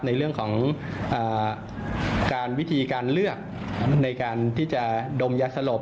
ในเรื่องของการวิธีการเลือกในการที่จะดมยาสลบ